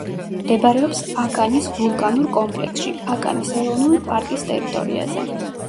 მდებარეობს აკანის ვულკანურ კომპლექსში, აკანის ეროვნულ პარკის ტერიტორიაზე.